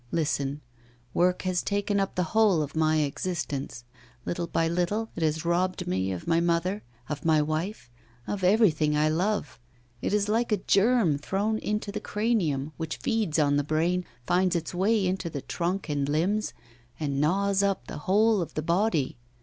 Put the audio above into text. Listen; work has taken up the whole of my existence. Little by little, it has robbed me of my mother, of my wife, of everything I love. It is like a germ thrown into the cranium, which feeds on the brain, finds its way into the trunk and limbs, and gnaws up the whole of the body.